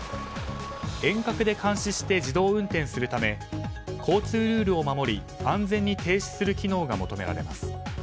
遠隔で監視して自動運転するため交通ルールを守り安全に停止する機能が求められます。